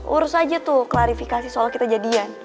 urus aja tuh klarifikasi soal kita jadian